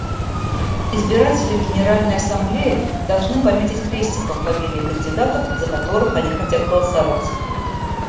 Избиратели в Генеральной Ассамблее должны пометить крестиком фамилии кандидатов, за которых они хотят голосовать.